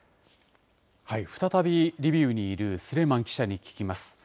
再びリビウにいるスレイマン記者に聞きます。